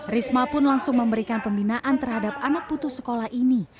risma pun langsung memberikan pembinaan terhadap anak putus sekolah ini